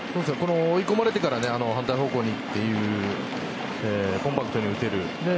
追い込まれてから反対方向にというコンパクトに打てる。